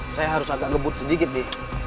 saya harus agak ngebut sedikit nih